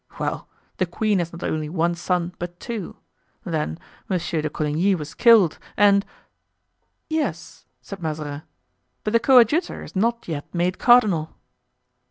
Well! the queen has not only one son, but two; then, Monsieur de Coligny was killed, and——" "Yes," said Mazarin, "but the coadjutor is not yet made cardinal!"